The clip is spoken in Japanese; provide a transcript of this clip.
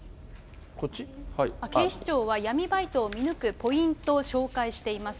警視庁は闇バイトを見抜くポイントを紹介しています。